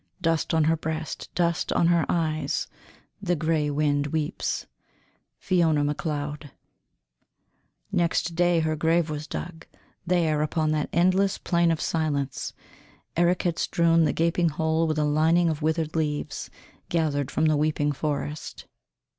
Dust on her breast, dust on her eyes, The grey wind weeps. FIONA MACLEOD. Next day her grave was dug, there, upon that endless plain of silence. Eric had strewn the gaping hole with a lining of withered leaves, gathered from the weeping forest.